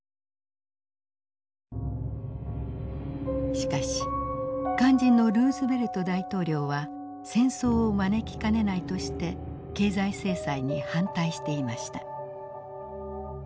しかし肝心のルーズベルト大統領は戦争を招きかねないとして経済制裁に反対していました。